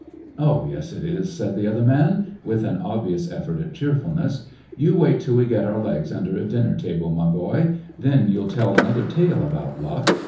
"Oh, yes, it is," said the other man, with an obvious effort at cheerfulness. "You wait till we get our legs under a dinner table, my boy; then you'll tell another tale about luck.